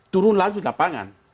turun langsung ke lapangan